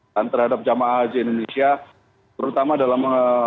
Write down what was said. dan terhadap jemaah haji indonesia terutama dalam